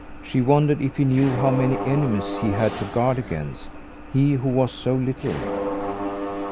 She wondered if he knew how many enemies he had to guard against he, who was so little.